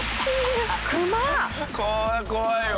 これは怖いわ。